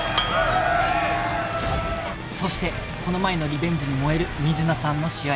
そしてこの前のリベンジに燃える水野さんの試合